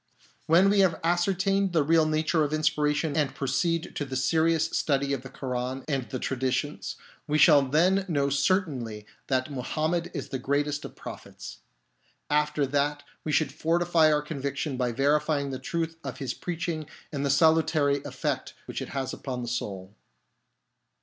When we have ascertained the real nature of inspiration and proceed to the serious study of the Koran and the traditions, we shall then know certainly that Muhammed is the greatest of prophets. After that we should fortify our conviction by verifying the truth of his preaching and the salutary effect which it has upon the soul.